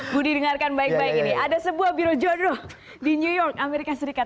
budi dengarkan baik baik ini ada sebuah biro jodoh di new york amerika serikat